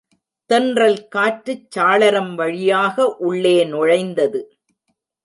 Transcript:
தென்றல் காற்றுச் சாளரம் வழியாக உள்ளே நுழைந்தது.